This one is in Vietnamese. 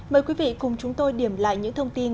mời quý vị cùng chúng tôi điểm lại những thông tin